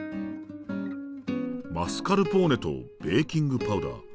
マスカルポーネとベーキングパウダー。